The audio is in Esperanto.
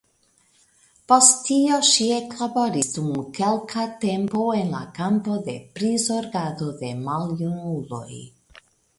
Post tio ŝi eklaboris dum kelka tempo en la kampo de prizorgado de maljunuloj.